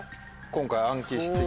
今回。